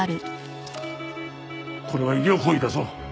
これは医療行為だぞ！